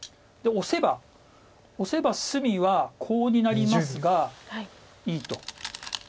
オセば隅はコウになりますがいいと。